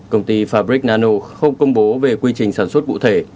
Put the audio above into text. công ty fabric nano không công bố về quy trình sản xuất cụ thể